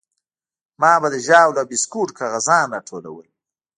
ما به د ژاولو او بيسکوټو کاغذان راټولول.